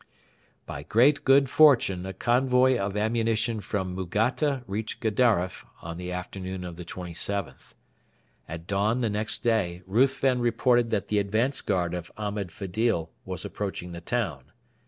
By great good fortune a convoy of ammunition from Mugatta reached Gedaref on the afternoon of the 27th. At dawn the next day Ruthven reported that the advance guard of Ahmed Fedil was approaching the town.